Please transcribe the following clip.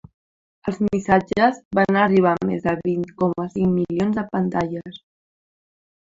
Els missatges van arribar a més de vint coma cinc milions de pantalles.